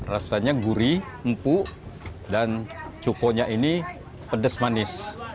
rasanya guri empuk dan cuponya ini pedas manis